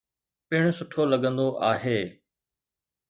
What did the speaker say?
پڻ سٺو لڳندو آهي.